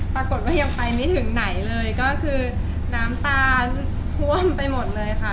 ปรากฏว่ายังไปไม่ถึงไหนเลยก็คือน้ำตาท่วมไปหมดเลยค่ะ